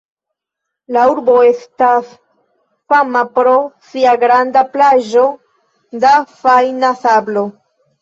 La urbo estas fama pro sia granda plaĝo da fajna sablo.